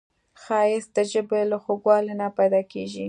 ښایست د ژبې له خوږوالي نه پیداکیږي